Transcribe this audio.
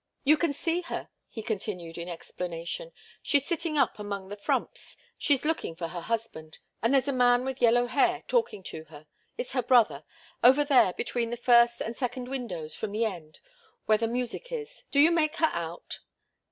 "You can see her," he continued in explanation. "She's sitting up among the frumps; she's looking for her husband, and there's a man with yellow hair talking to her it's her brother over there between the first and second windows from the end where the music is. Do you make her out?"